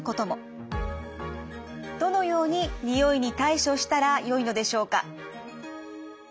どのようににおいに対処したらよいのでしょうか？